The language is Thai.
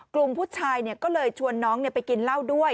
กลุ่มผู้ชายก็เลยชวนน้องไปกินเหล้าด้วย